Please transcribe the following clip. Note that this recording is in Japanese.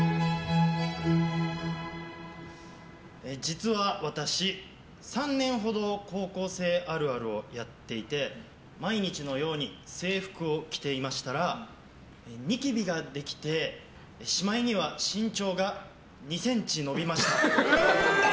実は私、３年ほど高校生あるあるをやっていて毎日のように制服を着ていましたらニキビができて、しまいには身長が２ｃｍ伸びました。